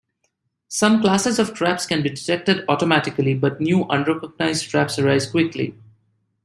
Some classes of traps can be detected automatically, but new, unrecognized traps arise quickly.